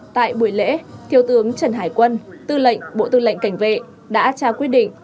tại buổi lễ thiếu tướng trần hải quân tư lệnh bộ tư lệnh cảnh vệ đã trao quyết định